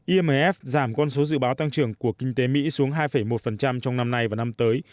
imf giảm con số dự báo tăng trưởng của kinh tế mỹ xuống hai một trong năm nay và năm tới